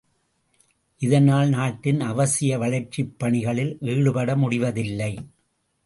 இதனால் நாட்டின் அவசிய வளர்ச்சிப் பணிகளில் ஈடுபட முடிவதில்லை.